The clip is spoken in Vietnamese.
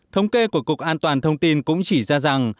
thống kê của cục an toàn thông tin cũng chỉ ra rằng